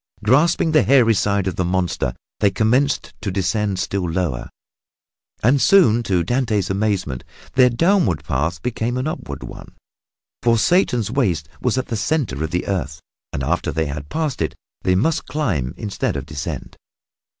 Grasping the hairy side of the monster, they commenced to descend still lower. And soon, to Dante's amazement, their downward path became an upward one, for Satan's waist was at the center of the earth and after they had passed it they must climb instead of descend.